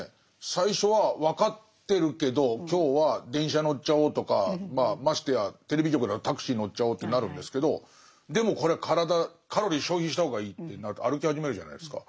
最初は分かってるけど今日は電車乗っちゃおうとかましてやテレビ局だとタクシー乗っちゃおうってなるんですけどでもこれは体カロリー消費した方がいいってなると歩き始めるじゃないですか。